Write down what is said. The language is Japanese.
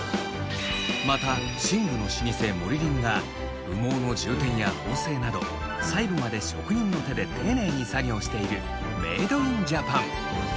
また寝具の老舗モリリンが羽毛の充填や縫製など最後まで職人の手で丁寧に作業しているメイド・イン・ジャパン